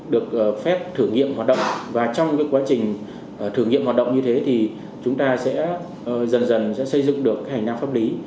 được phép thử nghiệm hoạt động và trong quá trình thử nghiệm hoạt động như thế thì chúng ta sẽ dần dần sẽ xây dựng được hành năng pháp lý